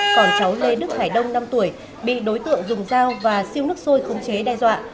còn cháu lê đức hải đông năm tuổi bị đối tượng dùng dao và siêu nước sôi khống chế đe dọa